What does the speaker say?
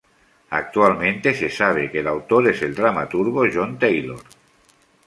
Actualmente se sabe que el autor es el dramaturgo John Taylor.